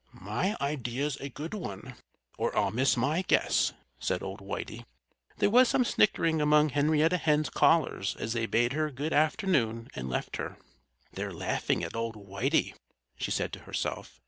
"My idea's a good one, or I'll miss my guess," said old Whitey. There was some snickering among Henrietta Hen's callers as they bade her good afternoon and left her. "They're laughing at old Whitey," she said to herself.